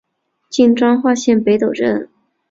今彰化县北斗镇。